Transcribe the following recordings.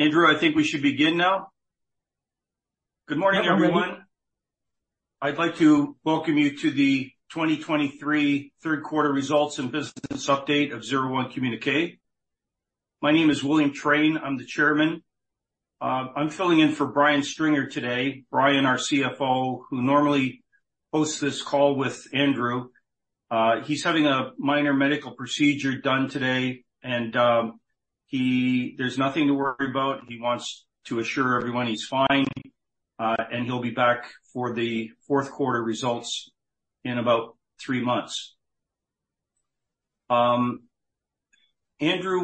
Andrew, I think we should begin now. Good morning, everyone. I'd like to welcome you to the 2023 Third Quarter Results and Business Update of ZeroOne Communique. My name is William Train, I'm the chairman. I'm filling in for Brian Stringer today. Brian, our CFO, who normally hosts this call with Andrew. He's having a minor medical procedure done today, and there's nothing to worry about. He wants to assure everyone he's fine, and he'll be back for the fourth quarter results in about three months. Andrew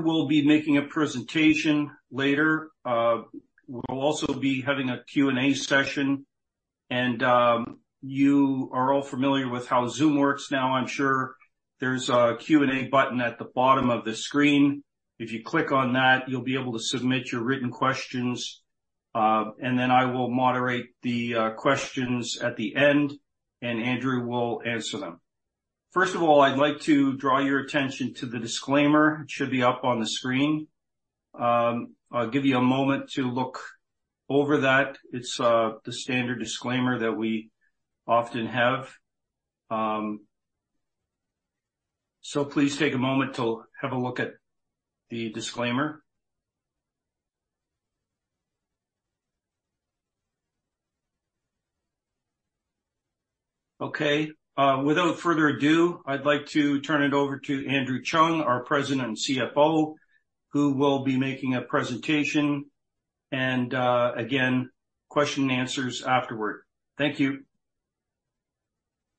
will be making a presentation later. We'll also be having a Q&A session, and you are all familiar with how Zoom works now, I'm sure. There's a Q&A button at the bottom of the screen. If you click on that, you'll be able to submit your written questions, and then I will moderate the questions at the end, and Andrew will answer them. First of all, I'd like to draw your attention to the disclaimer. It should be up on the screen. I'll give you a moment to look over that. It's the standard disclaimer that we often have. So please take a moment to have a look at the disclaimer. Okay, without further ado, I'd like to turn it over to Andrew Cheung, our President and CFO, who will be making a presentation, and again, question and answers afterward. Thank you.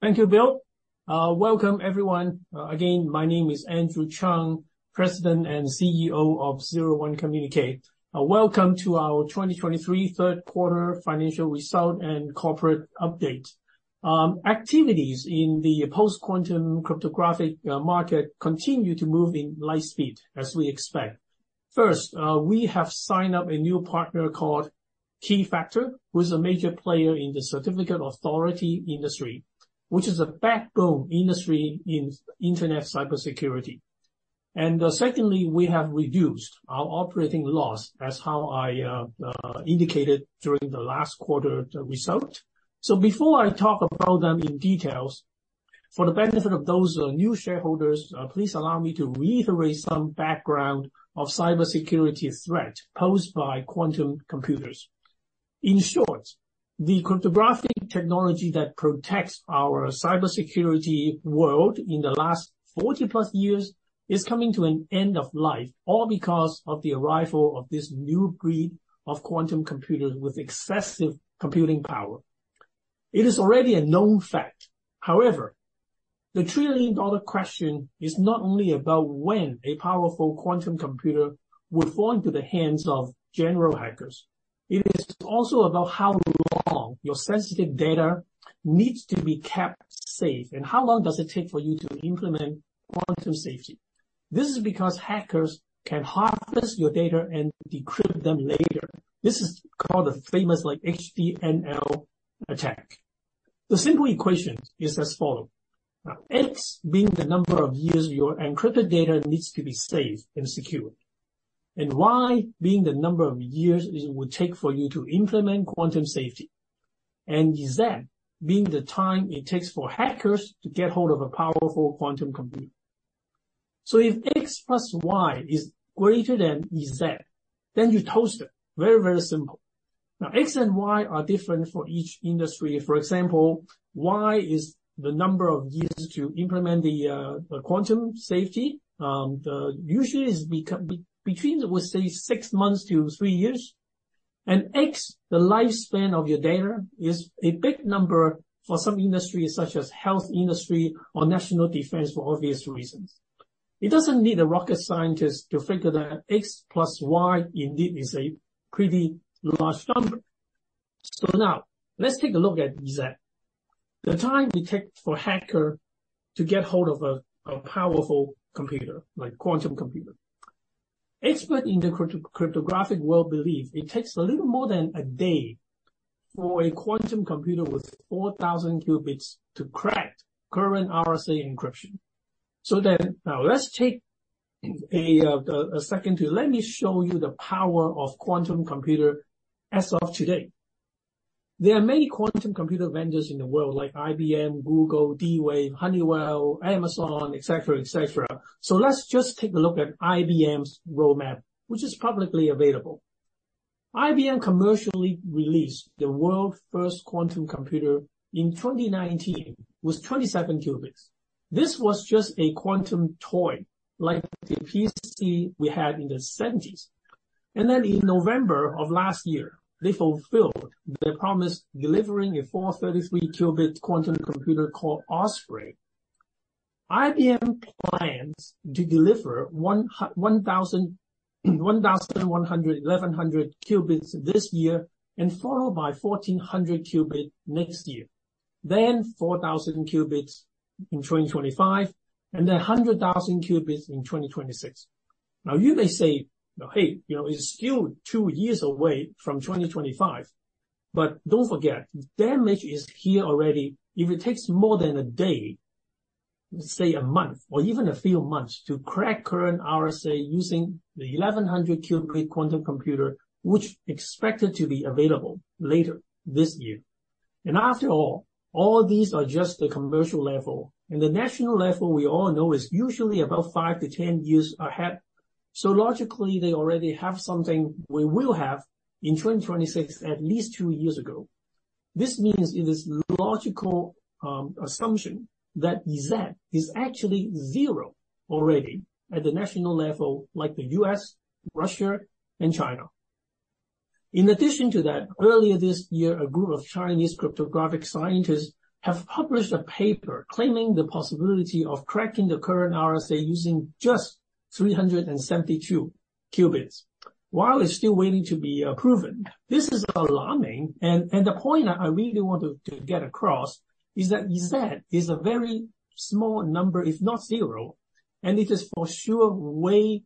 Thank you, Bill. Welcome, everyone. Again, my name is Andrew Cheung, President and CEO of ZeroOne Communique. Welcome to our 2023 Third Quarter Financial Result and Corporate Update. Activities in the post-quantum cryptographic market continue to move in light speed, as we expect. First, we have signed up a new partner called Keyfactor, who is a major player in the certificate authority industry, which is a backbone industry in internet cybersecurity. And secondly, we have reduced our operating loss, as how I indicated during the last quarter result. So before I talk about them in details, for the benefit of those new shareholders, please allow me to reiterate some background of cybersecurity threat posed by quantum computers. In short, the cryptographic technology that protects our cybersecurity world in the last 40+ years is coming to an end of life, all because of the arrival of this new breed of quantum computers with excessive computing power. It is already a known fact. However, the trillion-dollar question is not only about when a powerful quantum computer will fall into the hands of general hackers. It is also about how long your sensitive data needs to be kept safe, and how long does it take for you to implement quantum safety. This is because hackers can harvest your data and decrypt them later. This is called a famous, like, HNDL attack. The simple equation is as follows: X being the number of years your encrypted data needs to be safe and secure, and Y being the number of years it would take for you to implement quantum safety, and Z being the time it takes for hackers to get hold of a powerful quantum computer. So if X plus Y is greater than Z, then you toast it. Very, very simple. Now, X and Y are different for each industry. For example, Y is the number of years to implement the quantum safety. Usually, it's between, we say, six months to three years. And X, the lifespan of your data, is a big number for some industries, such as health industry or national defense, for obvious reasons. It doesn't need a rocket scientist to figure that X plus Y indeed is a pretty large number. So now, let's take a look at Z, the time it takes for a hacker to get hold of a powerful computer, like a quantum computer. Experts in the cryptographic world believe it takes a little more than a day for a quantum computer with 4,000 qubits to crack current RSA encryption. So then, now, let's take a second to let me show you the power of a quantum computer as of today. There are many quantum computer vendors in the world, like IBM, Google, D-Wave, Honeywell, Amazon, et cetera, et cetera. So let's just take a look at IBM's roadmap, which is publicly available. IBM commercially released the world's first quantum computer in 2019, with 27 qubits. This was just a quantum toy, like the PC we had in the 1970s. And then in November of last year, they fulfilled their promise, delivering a 433-qubit quantum computer called Osprey. IBM plans to deliver 1,100 qubits this year, and followed by 1,400 qubit next year, then 4,000 qubits in 2025, and then 100,000 qubits in 2026. Now, you may say, "Hey, you know, it's still two years away from 2025," but don't forget, damage is here already. If it takes more than a day, say a month or even a few months to crack current RSA using the 1,100-qubit quantum computer, which expected to be available later this year. After all, all these are just the commercial level, and the national level, we all know, is usually about five to 10 years ahead. Logically, they already have something we will have in 2026, at least two years ago. This means it is logical, assumption that Z is actually zero already at the national level, like the U.S., Russia, and China. In addition to that, earlier this year, a group of Chinese cryptographic scientists have published a paper claiming the possibility of cracking the current RSA using just 372 qubits. While it's still waiting to be proven, this is alarming, and the point I really want to get across is that Z is a very small number, if not zero, and it is for sure way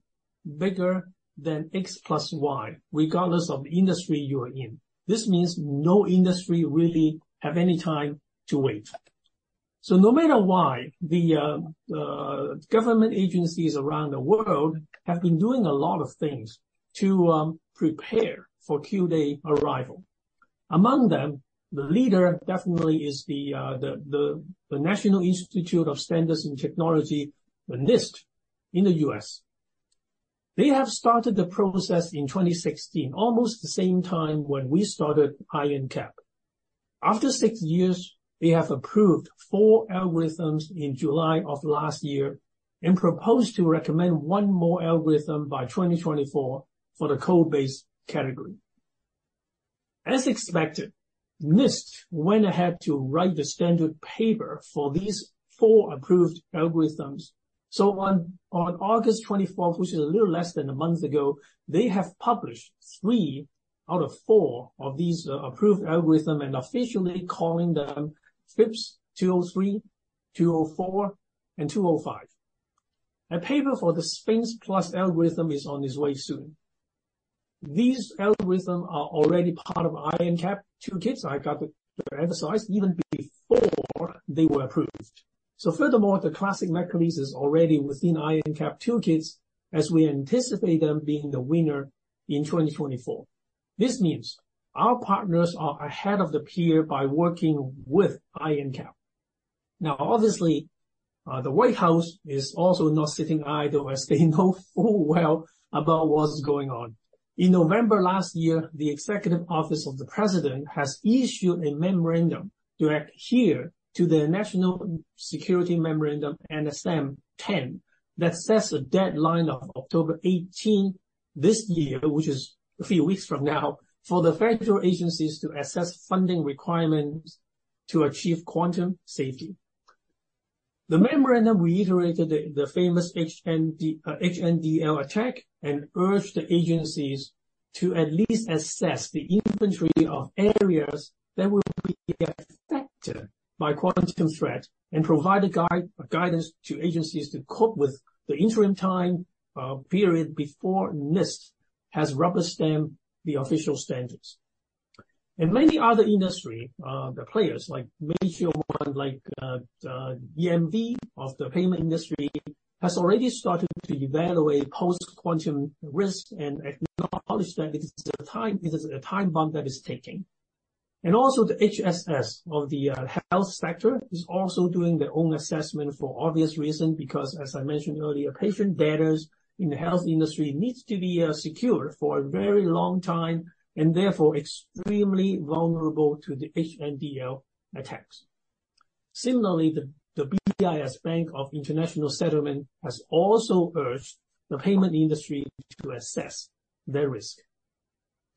bigger than X plus Y, regardless of the industry you are in. This means no industry really have any time to wait. So no matter why, the government agencies around the world have been doing a lot of things to prepare for Q-day arrival. Among them, the leader definitely is the National Institute of Standards and Technology, the NIST, in the U.S. They have started the process in 2016, almost the same time when we started IronCAP. After six years, they have approved four algorithms in July of last year and proposed to recommend one more algorithm by 2024 for the code-based category. As expected, NIST went ahead to write the standard paper for these four approved algorithms. So on August 24, which is a little less than a month ago, they have published three out of four of these approved algorithm and officially calling them FIPS 203, 204, and 205. A paper for the SPHINCS+ algorithm is on its way soon. These algorithm are already part of IronCAP Toolkits. I got to emphasize, even before they were approved. So furthermore, the classic mechanisms already within IronCAP Toolkits, as we anticipate them being the winner in 2024. This means our partners are ahead of the peer by working with IronCAP. Now, obviously, the White House is also not sitting idle, as they know full well about what is going on. In November last year, the Executive Office of the President has issued a memorandum to adhere to the National Security Memorandum, NSM-10, that sets a deadline of October 18 this year, which is a few weeks from now, for the federal agencies to assess funding requirements to achieve quantum safety. The memorandum reiterated the famous HNDL attack and urged the agencies to at least assess the inventory of areas that will be affected by quantum threat and provide guidance to agencies to cope with the interim time period before NIST has rubber-stamped the official standards. Many other industry players, like major one, like EMV of the payment industry, has already started to evaluate post-quantum risk and acknowledge that it is a time, it is a time bomb that is ticking. Also, the HHS of the health sector is also doing their own assessment for obvious reason, because as I mentioned earlier, patient data in the health industry needs to be secured for a very long time, and therefore extremely vulnerable to the HNDL attacks. Similarly, the BIS, Bank for International Settlements, has also urged the payment industry to assess their risk.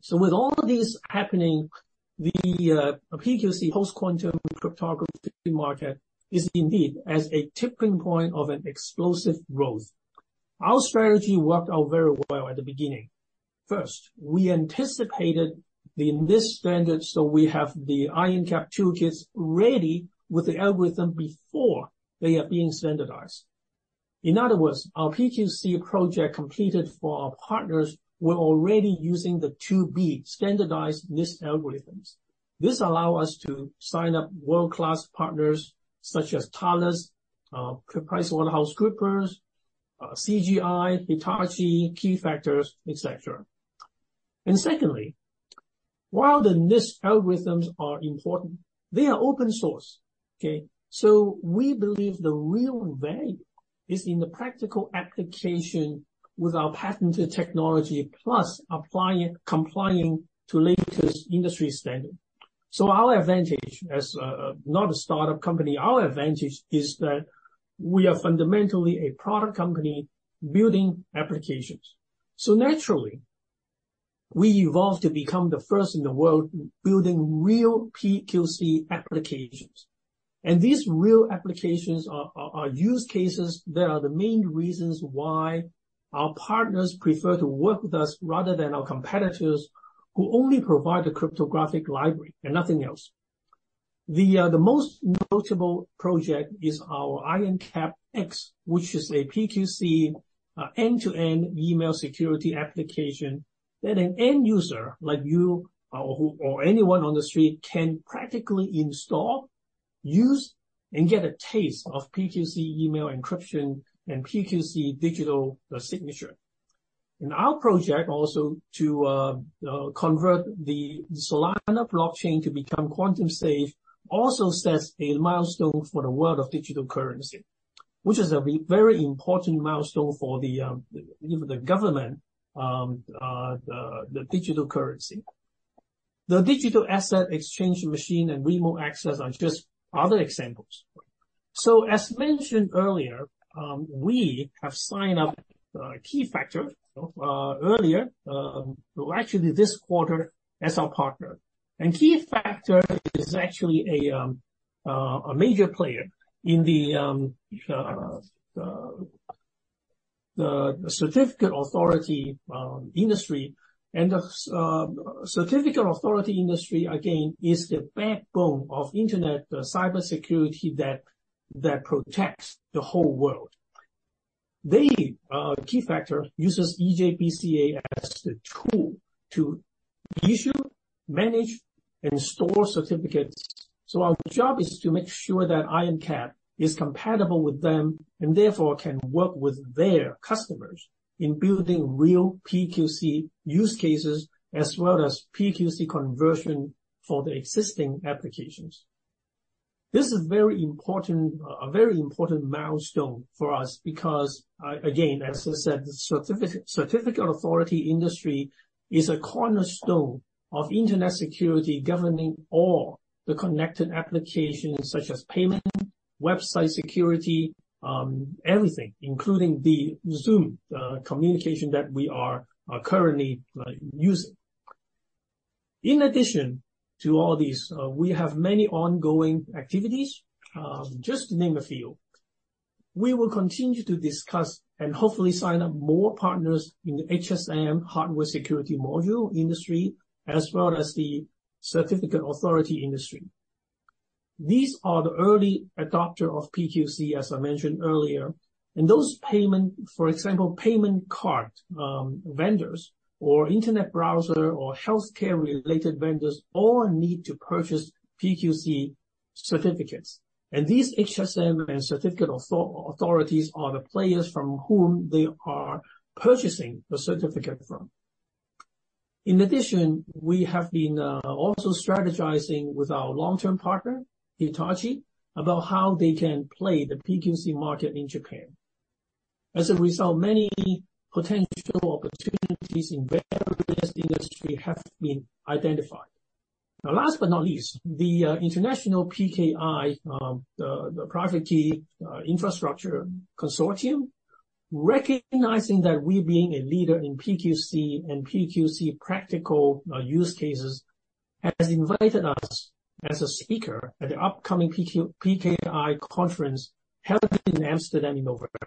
So with all of this happening, the PQC, Post-Quantum Cryptography market, is indeed at a tipping point of an explosive growth. Our strategy worked out very well at the beginning. First, we anticipated the NIST standards, so we have the IronCAP Toolkits ready with the algorithm before they are being standardized. In other words, our PQC project completed for our partners were already using the to-be standardized NIST algorithms. This allow us to sign up world-class partners such as Thales, PricewaterhouseCoopers, CGI, Hitachi, Keyfactor, etc. And secondly, while the NIST algorithms are important, they are open source, okay? So we believe the real value is in the practical application with our patented technology, plus applying, complying to latest industry standard. So our advantage as not a startup company, our advantage is that we are fundamentally a product company building applications. So naturally, we evolved to become the first in the world building real PQC applications. And these real applications are use cases that are the main reasons why our partners prefer to work with us, rather than our competitors, who only provide the cryptographic library and nothing else. The most notable project is our IronCAP X, which is a PQC end-to-end email security application that an end user, like you or who, or anyone on the street, can practically install, use, and get a taste of PQC email encryption and PQC digital signature. In our project, also to convert the Solana blockchain to become quantum safe, also sets a milestone for the world of digital currency, which is a very important milestone for even the government, the digital currency. The digital asset exchange machine and remote access are just other examples. So as mentioned earlier, we have signed up Keyfactor earlier, well, actually this quarter, as our partner. And Keyfactor is actually a major player in the certificate authority industry. And the certificate authority industry, again, is the backbone of internet cybersecurity that protects the whole world. They, Keyfactor, uses EJBCA as the tool to issue, manage, and store certificates. So our job is to make sure that IronCAP is compatible with them, and therefore can work with their customers in building real PQC use cases, as well as PQC conversion for the existing applications. This is very important, a very important milestone for us because, again, as I said, the certificate authority industry is a cornerstone of internet security, governing all the connected applications such as payment, website security, everything, including the Zoom communication that we are currently using. In addition to all these, we have many ongoing activities, just to name a few. We will continue to discuss and hopefully sign up more partners in the HSM, hardware security module industry, as well as the certificate authority industry. These are the early adopter of PQC, as I mentioned earlier, and those payment, for example, payment card, vendors or internet browser or healthcare-related vendors, all need to purchase PQC certificates. And these HSM and certificate authorities are the players from whom they are purchasing the certificate from. In addition, we have been also strategizing with our long-term partner, Hitachi, about how they can play the PQC market in Japan. As a result, many potential opportunities in various industry have been identified. Now, last but not least, the international PKI, the public key infrastructure consortium, recognizing that we being a leader in PQC and PQC practical use cases, has invited us as a speaker at the upcoming PKI conference, held in Amsterdam in November.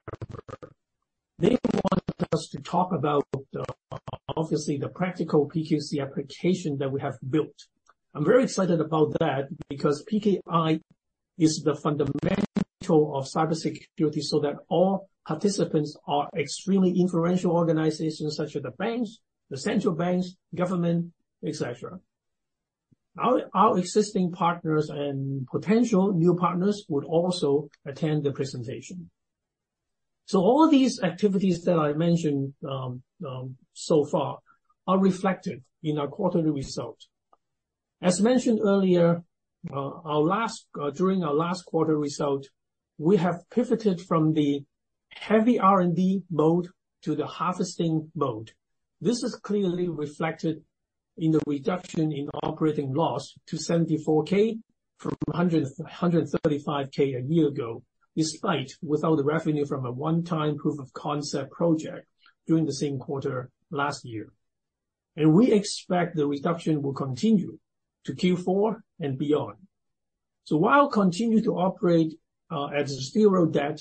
They want us to talk about, obviously, the practical PQC application that we have built. I'm very excited about that, because PKI is the fundamental of cybersecurity, so that all participants are extremely influential organizations, such as the banks, the central banks, government, et cetera. Our existing partners and potential new partners would also attend the presentation. All these activities that I mentioned so far are reflected in our quarterly results. As mentioned earlier, during our last quarter result, we have pivoted from the heavy R&D mode to the harvesting mode. This is clearly reflected in the reduction in operating loss to $74,000 from $135,000 a year ago, despite without the revenue from a one-time proof of concept project during the same quarter last year. We expect the reduction will continue to Q4 and beyond. So, while we continue to operate at zero debt,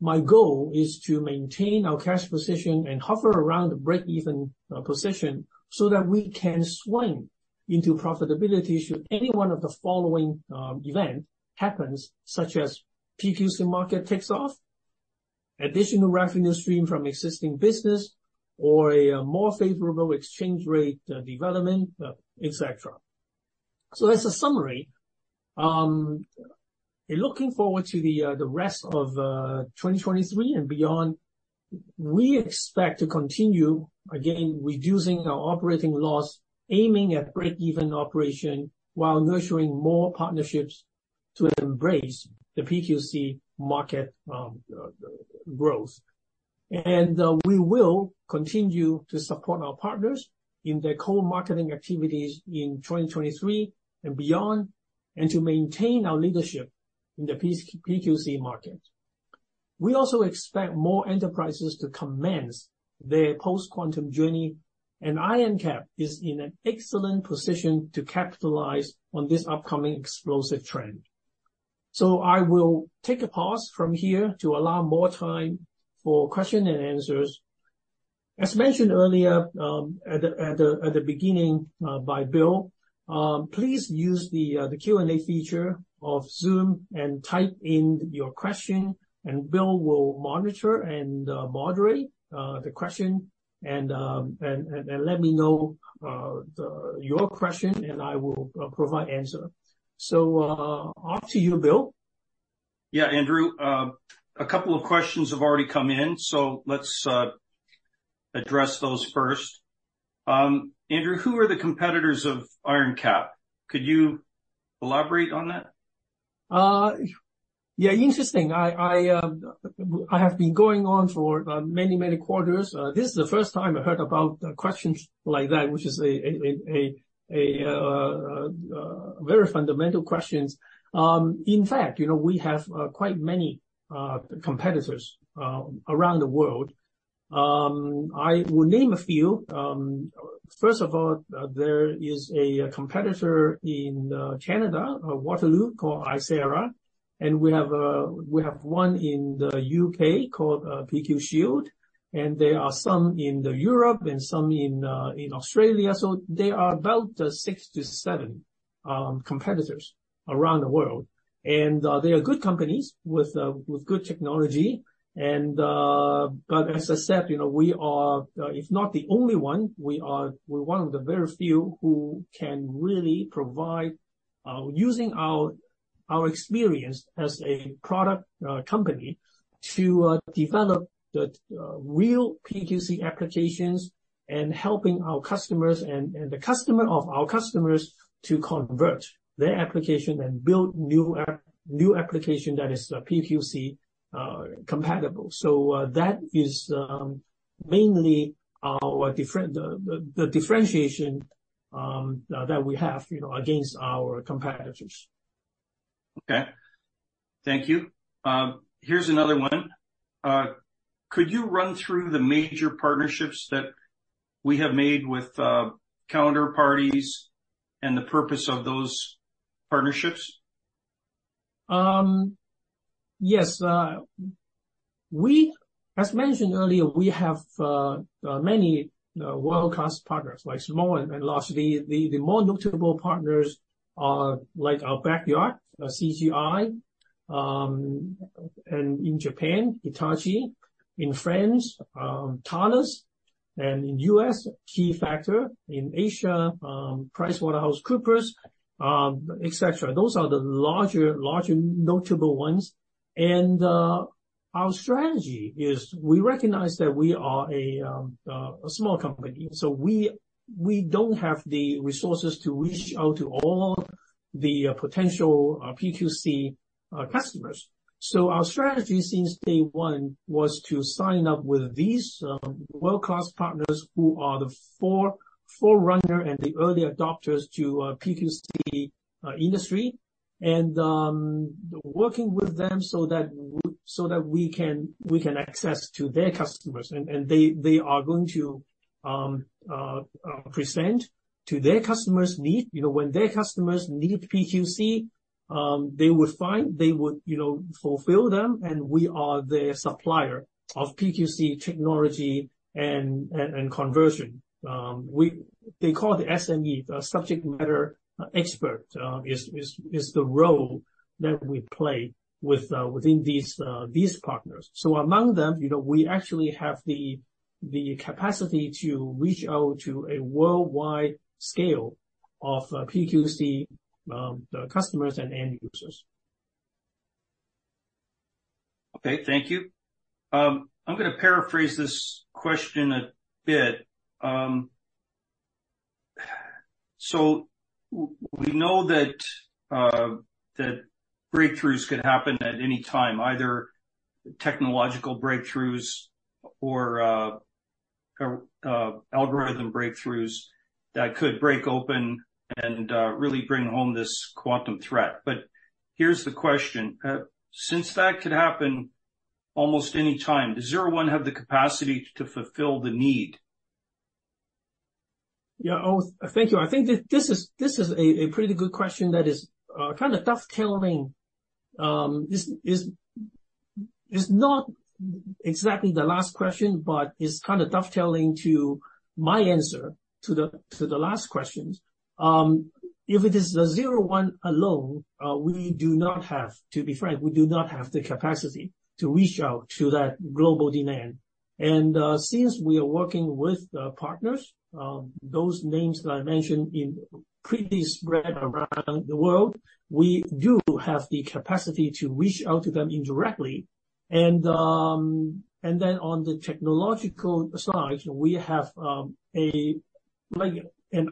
my goal is to maintain our cash position and hover around the break-even position, so that we can swing into profitability should any one of the following event happens, such as PQC market takes off, additional revenue stream from existing business or a more favorable exchange rate development, et cetera. So, as a summary, in looking forward to the rest of 2023 and beyond, we expect to continue, again, reducing our operating loss, aiming at break-even operation, while nurturing more partnerships to embrace the PQC market growth. And, we will continue to support our partners in their co-marketing activities in 2023 and beyond, and to maintain our leadership in the PQC market. We also expect more enterprises to commence their post-quantum journey, and IronCAP is in an excellent position to capitalize on this upcoming explosive trend. So I will take a pause from here to allow more time for question and answers. As mentioned earlier, at the beginning by Bill, please use the Q&A feature of Zoom and type in your question, and Bill will monitor and moderate the question, and let me know your question, and I will provide answer. So, off to you, Bill. Yeah, Andrew, a couple of questions have already come in, so let's address those first. Andrew, who are the competitors of IronCAP? Could you elaborate on that? Yeah, interesting. I have been going on for many, many quarters. This is the first time I heard about questions like that, which is a very fundamental questions. In fact, you know, we have quite many competitors around the world. I will name a few. First of all, there is a competitor in Canada, Waterloo, called ISARA, and we have one in the U.K. called PQShield, and there are some in Europe and some in Australia. There are about six to seven competitors around the world, and they are good companies with good technology. But as I said, you know, we are, if not the only one, we are one of the very few who can really provide, using our experience as a product company, to develop the real PQC applications and helping our customers and the customer of our customers to convert their application and build new application that is PQC compatible. So, that is mainly the differentiation that we have, you know, against our competitors. Okay. Thank you. Here's another one. Could you run through the major partnerships that we have made with counterparties and the purpose of those partnerships? Yes. We, as mentioned earlier, we have many world-class partners, like small and large. The more notable partners are, like, our backyard, CGI, and in Japan, Hitachi, in France, Thales, and in U.S., Keyfactor, in Asia, PricewaterhouseCoopers, et cetera. Those are the larger notable ones. And our strategy is we recognize that we are a small company, so we don't have the resources to reach out to all the potential PQC customers. So our strategy since day one was to sign up with these, world-class partners, who are the forerunner and the early adopters to PQC industry, and working with them so that we can access to their customers, and they are going to present to their customers' need. You know, when their customers need PQC, they would, you know, fulfill them, and we are their supplier of PQC technology and, and, and conversion. They call it the SME, the subject matter expert, is the role that we play with within these partners. So among them, you know, we actually have the capacity to reach out to a worldwide scale of PQC customers and end users. Okay, thank you. I'm gonna paraphrase this question a bit. So we know that breakthroughs could happen at any time, either technological breakthroughs or algorithm breakthroughs that could break open and really bring home this quantum threat. But here's the question: Since that could happen almost any time, does ZeroOne have the capacity to fulfill the need? Yeah. Oh, thank you. I think this, this is, this is a, a pretty good question that is, kind of tough telling. This is, it's not exactly the last question, but it's kind of tough telling to my answer to the, to the last questions. If it is the ZeroOne alone, we do not have, to be frank, we do not have the capacity to reach out to that global demand. And, since we are working with, partners, those names that I mentioned in previously spread around the world, we do have the capacity to reach out to them indirectly. Then on the technological side, we have a, like, an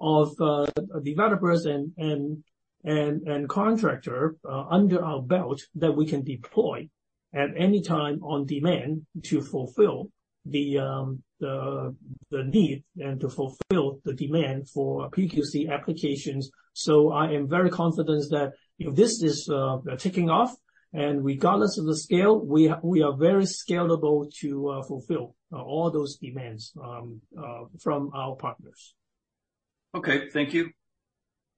army of developers and contractor under our belt that we can deploy at any time on demand to fulfill the need and to fulfill the demand for PQC applications. I am very confident that if this is taking off and regardless of the scale, we are very scalable to fulfill all those demands from our partners. Okay, thank you.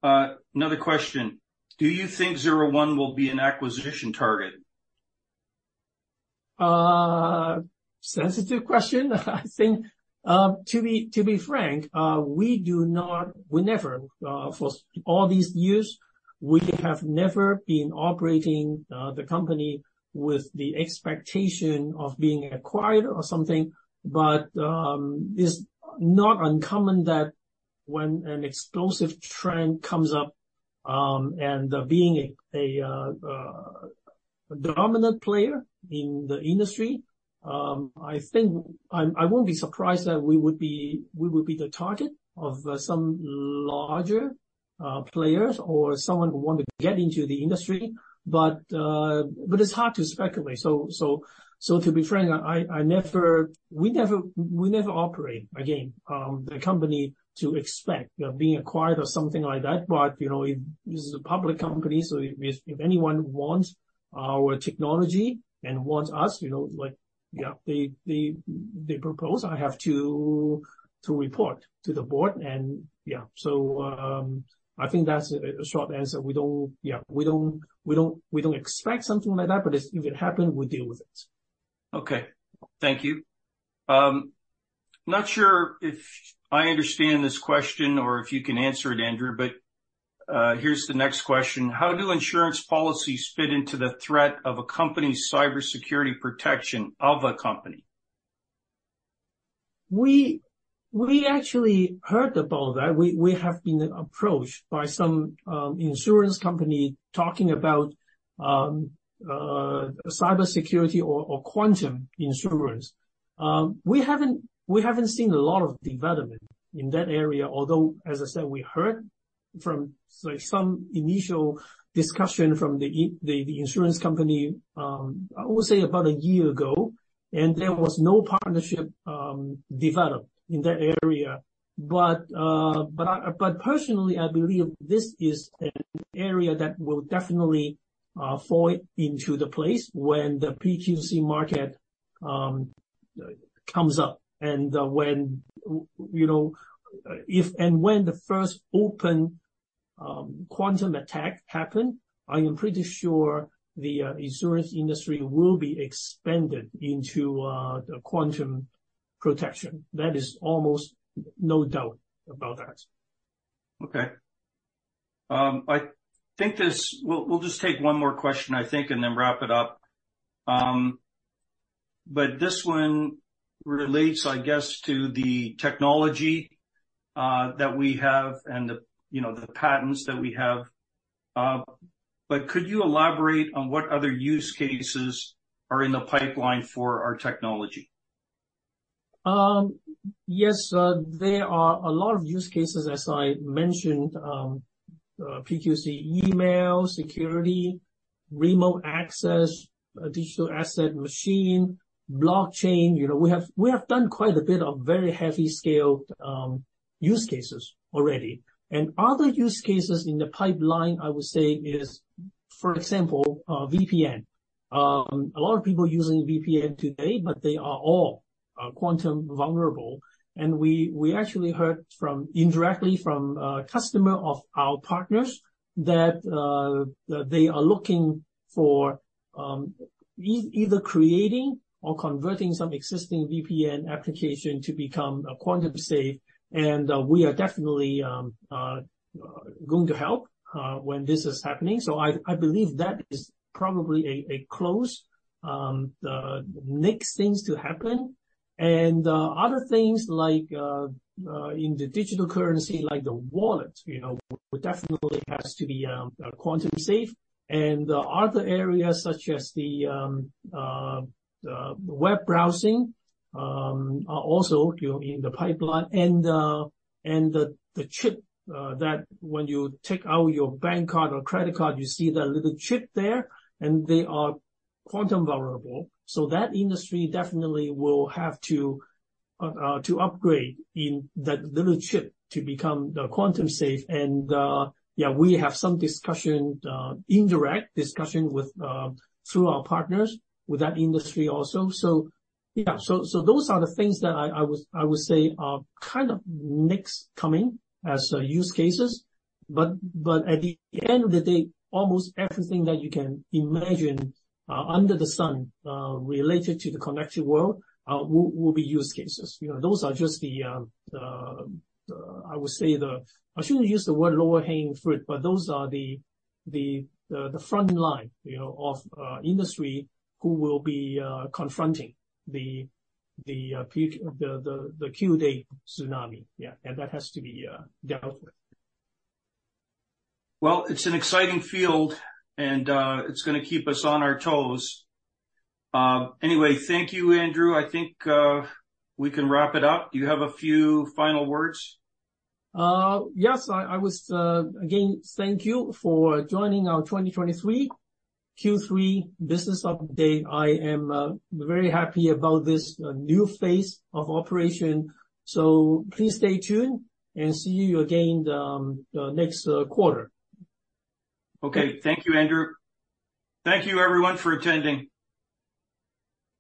Another question: Do you think ZeroOne will be an acquisition target? Sensitive question, I think. To be frank, we do not—we never, for all these years, we have never been operating the company with the expectation of being acquired or something. But, it's not uncommon that when an explosive trend comes up, and being a dominant player in the industry, I think I won't be surprised that we would be the target of some larger players or someone who want to get into the industry. But, it's hard to speculate. So to be frank, I never—we never, we never operate, again, the company to expect, you know, being acquired or something like that. But, you know, it's a public company, so if anyone wants our technology and wants us, you know, like, yeah, they propose, I have to report to the board. Yeah, so, I think that's a short answer. We don't... Yeah, we don't expect something like that, but if it happened, we deal with it. Okay. Thank you. Not sure if I understand this question or if you can answer it, Andrew, but here's the next question: How do insurance policies fit into the threat of a company's cybersecurity protection of a company? We actually heard about that. We have been approached by some insurance company talking about cybersecurity or quantum insurance. We haven't seen a lot of development in that area, although, as I said, we heard from some initial discussion from the insurance company. I would say about a year ago, and there was no partnership developed in that area. But personally, I believe this is an area that will definitely fall into the place when the PQC market comes up and, when, you know, if and when the first open quantum attack happen, I am pretty sure the insurance industry will be expanded into the quantum protection. That is almost no doubt about that. Okay. I think this... We'll, we'll just take one more question, I think, and then wrap it up. But this one relates, I guess, to the technology that we have and the, you know, the patents that we have. But could you elaborate on what other use cases are in the pipeline for our technology? Yes, there are a lot of use cases, as I mentioned, PQC, email security, remote access, digital asset, machine, blockchain. You know, we have, we have done quite a bit of very heavy scale use cases already, and other use cases in the pipeline, I would say is, for example, VPN. A lot of people using VPN today, but they are all quantum-vulnerable. And we, we actually heard from, indirectly from a customer of our partners, that they are looking for either creating or converting some existing VPN application to become quantum-safe, and we are definitely going to help when this is happening. So I, I believe that is probably a close the next things to happen. Other things like in the digital currency, like the wallet, you know, definitely has to be quantum safe. Other areas such as the web browsing are also, you know, in the pipeline and the chip that when you take out your bank card or credit card, you see that little chip there, and they are quantum vulnerable. So that industry definitely will have to to upgrade in that little chip to become quantum safe. Yeah, we have some discussion, indirect discussion with through our partners with that industry also. So, yeah. So those are the things that I would say are kind of next coming as use cases. But at the end of the day, almost everything that you can imagine under the sun related to the connected world will, will be use cases. You know, those are just the, the, I would say the... I shouldn't use the word lower hanging fruit, but those are the, the, the front line, you know, of industry who will be confronting the, the Q-day tsunami. Yeah, and that has to be dealt with. Well, it's an exciting field, and it's gonna keep us on our toes. Anyway, thank you, Andrew. I think we can wrap it up. Do you have a few final words? Again, thank you for joining our 2023 Q3 Business Update. I am very happy about this new phase of operation, so please stay tuned and see you again the next quarter. Okay. Thank you, Andrew. Thank you, everyone, for attending.